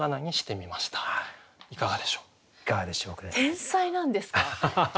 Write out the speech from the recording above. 天才なんですか？